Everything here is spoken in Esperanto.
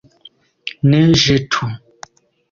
Ne ĵetu!